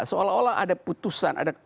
seolah olah ada putusan